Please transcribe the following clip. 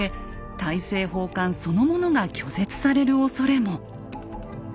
大政奉還そのものが拒絶されるおそれも。